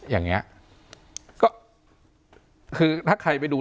อย่างนี้ก็คือถ้าใครไปดู